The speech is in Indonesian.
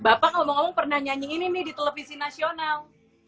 bapak ngomong omong pernah nyanyiin ini nih di televisi nasional